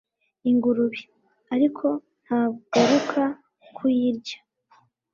Ingurube (ariko nta garuka) kuyirya